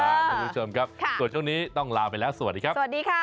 เอาล่ะมาดูชมครับสวัสดีช่วงนี้ต้องลาไปแล้วสวัสดีครับ